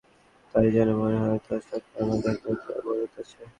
তাও যেন মনে হয় তার সাথে আমার দেখা হয়েছে আর বন্ধুত্ব আছে।